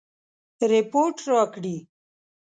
رپوټ راکړي.